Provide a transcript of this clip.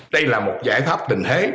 đây là một giải pháp tình thế